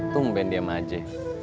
tungguin diam aja